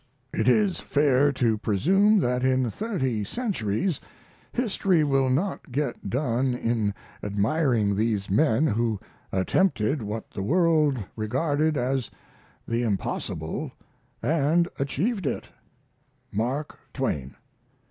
It is fair to presume that in thirty centuries history will not get done in admiring these men who attempted what the world regarded as the impossible & achieved it. MARK TWAIN.